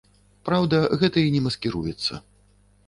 Праўда, гэта і не маскіруецца.